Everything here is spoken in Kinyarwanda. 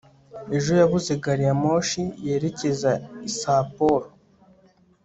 ejo yabuze gari ya moshi yerekeza i sapporo